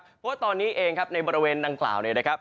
เพราะว่าตอนนี้เองครับในบริเวณดังกล่าวเนี่ยนะครับ